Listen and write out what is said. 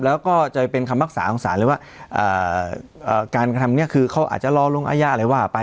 แล้วก็จะเป็นคำพักษาของศาลเลยว่าการกระทำนี้คือเขาอาจจะรอลงอาญาอะไรว่าไป